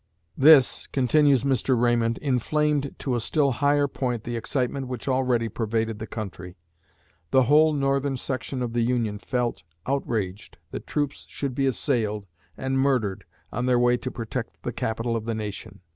"This," continues Mr. Raymond, "inflamed to a still higher point the excitement which already pervaded the country. The whole Northern section of the Union felt outraged that troops should be assailed and murdered on their way to protect the capital of the nation.